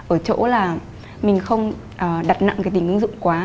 ở chỗ là mình không đặt nặng cái tính ứng dụng quá